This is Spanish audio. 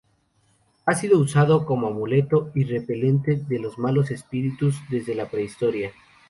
Ha sido usado como amuleto y repelente de malos espíritus desde la Prehistoria.